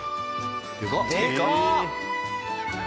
でかっ！